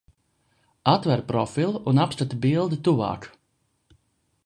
Atver profilu un apskati bildi tuvāk!